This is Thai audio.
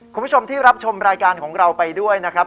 คุณผู้ชมที่รับชมรายการของเราไปด้วยนะครับ